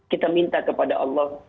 kita minta kepada allah